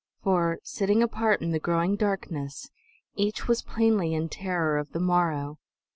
For, sitting apart in the growing darkness, each was plainly in terror of the morrow.